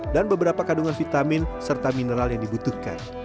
dan beberapa kandungan vitamin serta mineral yang dibutuhkan